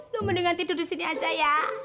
mendingan tidur di sini aja ya